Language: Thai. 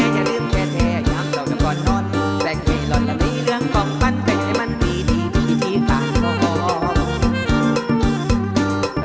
อย่าลืมสนุกเพื่อกันนะครับ